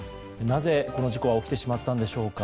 なぜ、この事故は起きてしまったんでしょうか。